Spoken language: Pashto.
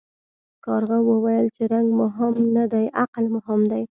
کارغه وویل چې رنګ مهم نه دی عقل مهم دی.